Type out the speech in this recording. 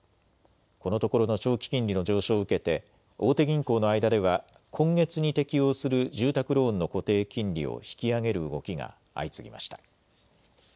このところの長期金利の上昇を受けて大手銀行の間では今月に適用する住宅ローンの固定金利を引き上げる動きが相次ぎました。